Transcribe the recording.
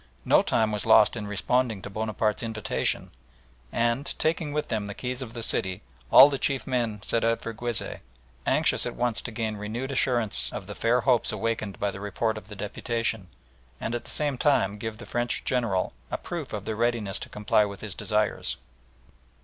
No time was lost in responding to Bonaparte's invitation, and, taking with them the keys of the city, all the chief men set out for Guizeh, anxious at once to gain renewed assurance of the fair hopes awakened by the report of the deputation, and at the same time give the French General a proof of their readiness to comply with his desires.